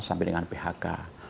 sampai dengan phk